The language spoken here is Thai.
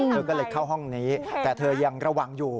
เธอก็เลยเข้าห้องนี้แต่เธอยังระวังอยู่